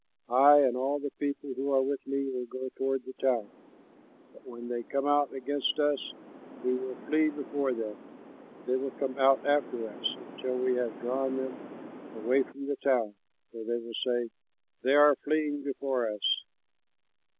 I and all the people who are with me will go toward the town, but when they come out against us, we will flee before them. They will come out after us, until we have drawn them away from the town; for they will say, 'They are fleeing before us.'